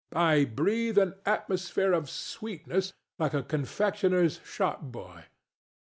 I breathe an atmosphere of sweetness, like a confectioner's shopboy.